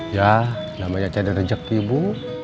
ya namanya cederejakti bu